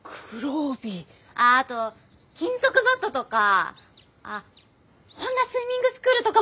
ああと金属バットとかあ本多スイミングスクールとかもいいかも！